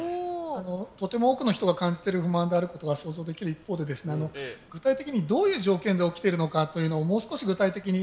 とても多くの人が感じている不満である一方で具体的に、どういう条件で起きているというのがもう少し具体的に。